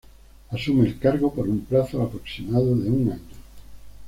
Asume el cargo por un plazo aproximado de un año.